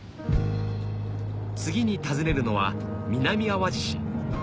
次に訪ねるのは南あわじ市